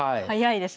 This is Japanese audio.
はい。